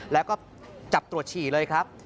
แล้วก็จับตรวจฉี่เลยครับ